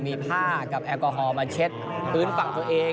มีผ้ากับแอลกอฮอลมาเช็ดพื้นฝั่งตัวเอง